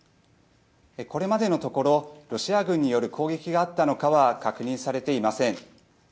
これまでのところロシア軍による攻撃があったのかは確認されていません。